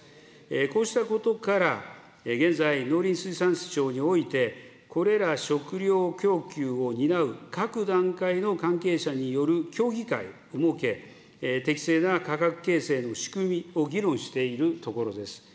こうしたことから、現在、農林水産省において、これら食料供給を担う各段階の関係者による協議会を設け、適正な価格形成の仕組みを議論しているところです。